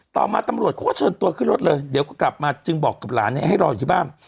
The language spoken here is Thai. ต่อมาตำรวจเขาก็เชิญตัวขึ้นรถเลยเดี๋ยวก็กลับมาจึงบอกกับหลานให้รออยู่ที่บ้าน